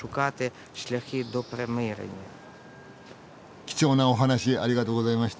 貴重なお話ありがとうございました。